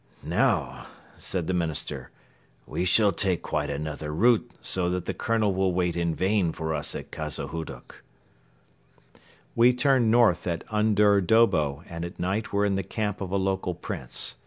"Now," said the Minister, "we shall take quite another route so that the Colonel will wait in vain for us at Khazahuduk." We turned north at Undur Dobo and at night were in the camp of a local prince.